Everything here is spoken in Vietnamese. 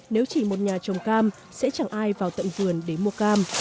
nếu chỉ một nhà trồng cam sẽ chẳng ai vào tận vườn để mua cam